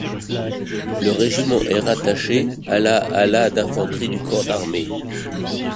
Le régiment est rattaché à la à la d'infanterie au Corps d'Armée.